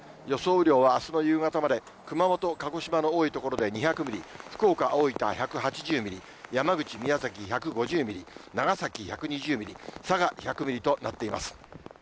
雨量はあすの夕方まで、熊本、鹿児島の多い所で２００ミリ、福岡、大分１８０ミリ、山口、宮崎１５０ミリ、長崎１２０ミリ、佐賀１００ミリとなっています。